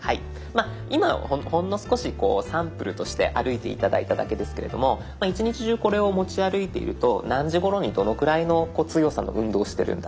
今ほんの少しサンプルとして歩いて頂いただけですけれども一日中これを持ち歩いていると何時ごろにどのくらいの強さの運動をしてるんだ